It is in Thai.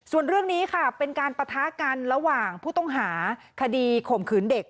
ส่วนเรื่องนี้ค่ะเป็นการปะทะกันระหว่างผู้ต้องหาคดีข่มขืนเด็ก